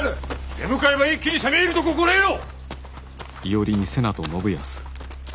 手向かえば一気に攻め入ると心得よ！